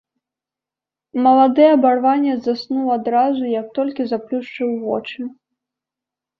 Малады абарванец заснуў адразу, як толькі заплюшчыў вочы.